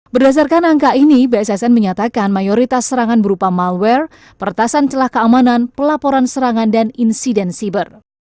berdasarkan angka ini bssn menyatakan mayoritas serangan berupa malware peretasan celah keamanan pelaporan serangan dan insiden siber